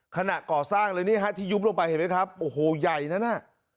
ขณะก่อสร้างเลยนี่ฮะที่ยุบลงไปเห็นไหมครับโอ้โหใหญ่นั้นน่ะ